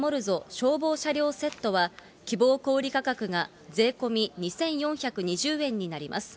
消防車両セットは希望小売り価格が税込み２４２０円になります。